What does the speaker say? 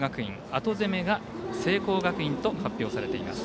後攻めが、聖光学院と発表されています。